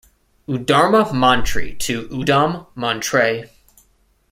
Udarma Mantri to Udom "Montrey"